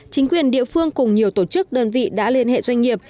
chính quyền địa phương cùng nhiều tổ chức đơn vị đã liên hệ doanh nghiệp